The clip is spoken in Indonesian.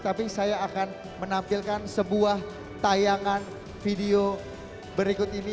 tapi saya akan menampilkan sebuah tayangan video berikut ini